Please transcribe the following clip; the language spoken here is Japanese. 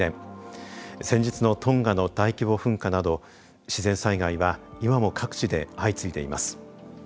先日のトンガの大規模噴火など自然災害は今も各地で相次いでいます。